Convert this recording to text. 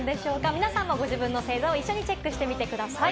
皆さんもご自分の星座をチェックしてみてください。